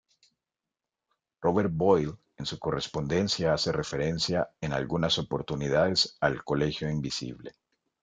Robert Boyle en su correspondencia hace referencia en algunas oportunidades al 'Colegio Invisible'.